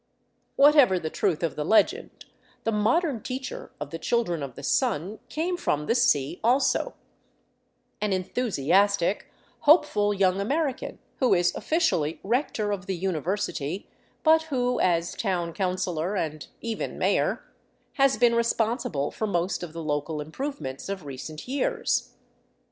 Whatever the truth of the legend, the modern teacher of the Children of the Sun came 429 VAGABONDING DOWN THE ANDES from the sea also, — an enthusiastic, hopeful young American who is officially rector of the university, but who, as town councilor and even mayor, has been responsible for most of the local improvements of recent years.